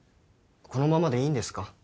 このままでいいんですか？